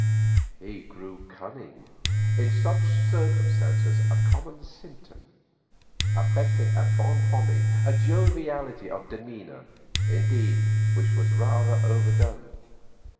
He grew cunning—in such circumstances a common symptom—affecting a "bonhomie," a joviality of demeanour, indeed, which was rather overdone.